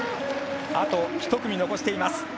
あと１組、残しています。